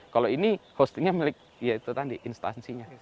kalau ini hostingnya milik ya itu tadi instansinya